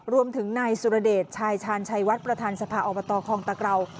รวมถึงนายสุรเดชชายชาญชัยวัดประธานสภาอบตคองตะเกรา